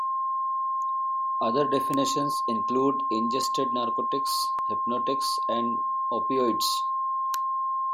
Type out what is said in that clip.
Other definitions include ingested narcotics, hypnotics, and opioids.